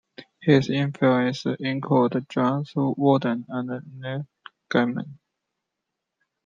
His influences included Joss Whedon and Neil Gaiman.